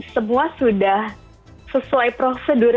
semua sudah sesuai prosedur